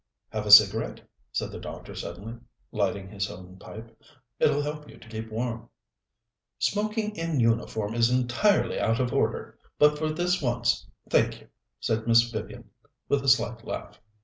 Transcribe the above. "Have a cigarette?" said the doctor suddenly, lighting his own pipe. "It'll help you to keep warm." "Smoking in uniform is entirely out of order, but for this once thank you," said Miss Vivian, with a slight laugh.